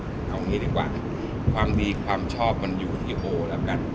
เอางี้ดีกว่าความดีความชอบมันอยู่ที่โอแล้วกัน